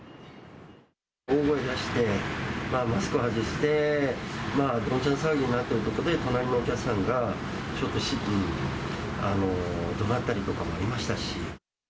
大声出して、マスクを外して、どんちゃん騒ぎになってるということで、隣のお客さんが、ちょっとどなったりとかもありましたし。